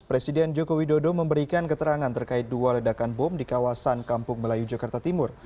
presiden joko widodo memberikan keterangan terkait dua ledakan bom di kawasan kampung melayu jakarta timur